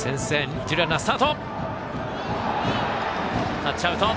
二塁、タッチアウト。